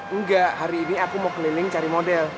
enggak hari ini aku mau keliling cari model